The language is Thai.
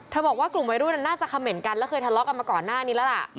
บอกว่ากลุ่มวัยรุ่นน่าจะคำเหน่นกันแล้วเคยทะเลาะกันมาก่อนหน้านี้แล้วล่ะ